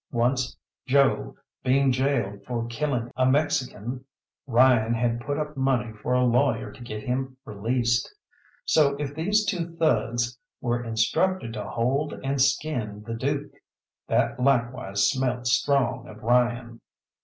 Once, Joe, being gaoled for killing a Mexican, Ryan had put up money for a lawyer to get him released. So if these two thugs were instructed to hold and skin the Dook, that likewise smelt strong of Ryan.